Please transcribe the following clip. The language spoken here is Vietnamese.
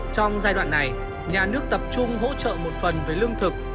trong giai đoạn này nhà nước tập trung hỗ trợ một phần với lương thực